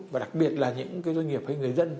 và đặc biệt là những cái doanh nghiệp hay người dân